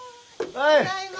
ただいま。